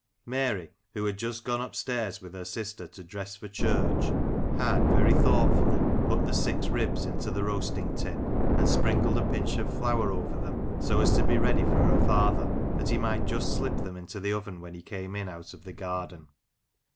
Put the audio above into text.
Mary, who had just gone upstairs with her sister to dress for church, had, very thoughtfully, put the " six ribs " into the roasting tin, and sprinkled a pinch of flour over them, so as to be ready for her father, that he might just slip them into the oven when he came in out of the garden.